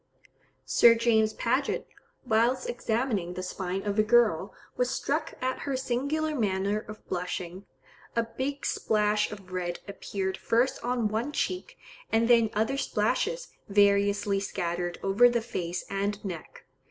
Sir James Paget, whilst examining the spine of a girl, was struck at her singular manner of blushing; a big splash of red appeared first on one cheek, and then other splashes, variously scattered over the face and neck.